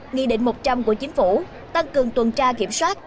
nghị định một trăm linh của chính phủ tăng cường tuần tra kiểm soát